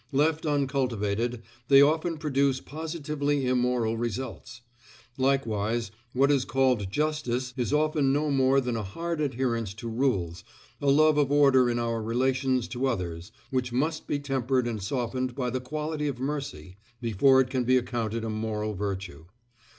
Left uncultivated, they often produce positively immoral results. Likewise, what is called justice is often no more than a hard adherence to rules, a love of order in our relations to others, which must be tempered and softened by the quality of mercy, before it can be accounted a moral virtue.